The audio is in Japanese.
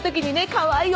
かわいい。